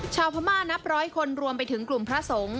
ชาวพม่านับร้อยคนรวมไปถึงกลุ่มพระสงฆ์